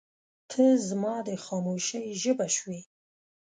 • ته زما د خاموشۍ ژبه شوې.